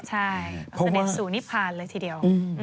ใช่เสด็จสู่นิพานเลยทีเดียว